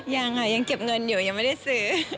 ยังค่ะยังเก็บเงินอยู่ยังไม่ได้ซื้อ